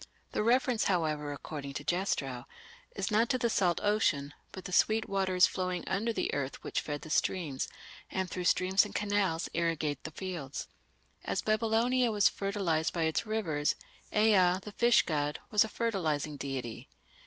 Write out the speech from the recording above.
The reference, however, according to Jastrow, "is not to the salt ocean, but the sweet waters flowing under the earth which feed the streams, and through streams and canals irrigate the fields". As Babylonia was fertilized by its rivers, Ea, the fish god, was a fertilizing deity.